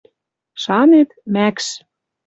шанет, мӓкш